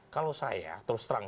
kalau saya terus terang